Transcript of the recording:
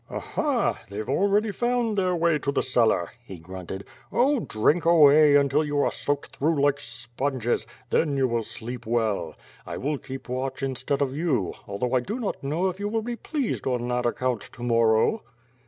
"Aha! they've already found their way to the cellar," he grunted. "Oh! drink away, until you are soaked through like sponges; then you will sleep well. I will keep watch instead of you, although I do not know if you will be pleased on that account to morow."